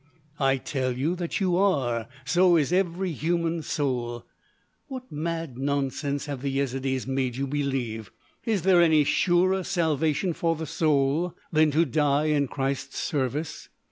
"I tell you that you are. So is every human soul! What mad nonsense have the Yezidees made you believe? Is there any surer salvation for the soul than to die in Christ's service?"